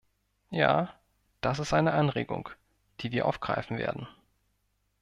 Ja, das ist eine Anregung, die wir aufgreifen werden.